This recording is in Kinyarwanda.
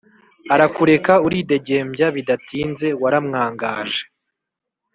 arakureka uridegembya bidatinze waramwangaje